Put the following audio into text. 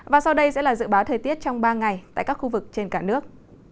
và sau đây sẽ là dự báo thời tiết trong ba ngày tại các khu vực trên cả nước